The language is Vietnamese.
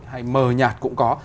hay mờ nhạt cũng có